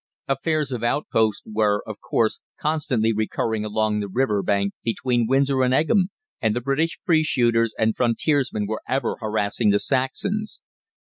Affairs of outpost were, of course, constantly recurring along the river bank between Windsor and Egham, and the British Free shooters and Frontiersmen were ever harassing the Saxons.